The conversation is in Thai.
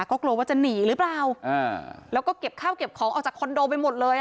ก็กลัวว่าจะหนีหรือเปล่าอ่าแล้วก็เก็บข้าวเก็บของออกจากคอนโดไปหมดเลยอ่ะ